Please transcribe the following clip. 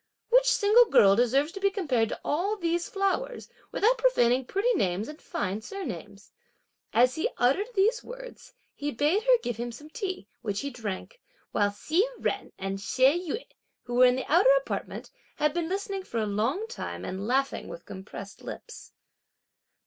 Which single girl deserves to be compared to all these flowers, without profaning pretty names and fine surnames!" As he uttered these words, he bade her give him some tea, which he drank; while Hsi Jen and She Yüeh, who were in the outer apartment, had been listening for a long time and laughing with compressed lips.